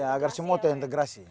agar semuanya terintegrasi